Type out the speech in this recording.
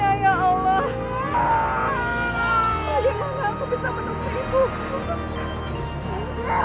ayah ayah kita tarik foto ibu aja ya ayah